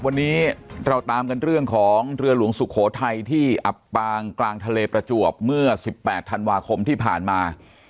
วันนี้เราตามกันเรื่องของเรือหลวงสุโขทัยที่อับปางกลางทะเลประจวบเมื่อ๑๘ธันวาคมที่ผ่านมา